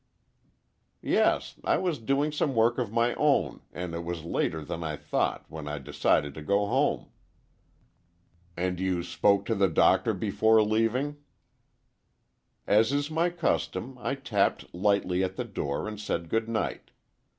"Yes; I was doing some work of my own, and it was later than I thought, when I decided to go home." "And you spoke to the Doctor before leaving?" "As is my custom, I tapped lightly at the door and said good night.